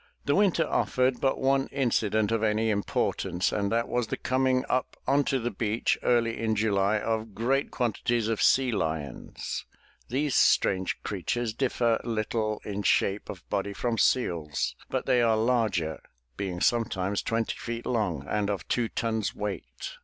The winter offered but one incident of any importance and that was the coming up onto the beach early in July of great quantities of sea lions. These strange creatures differ little in shape of body from seals but they are larger (being sometimes twenty feet long and of two tons weight).